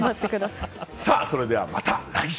それではまた来週。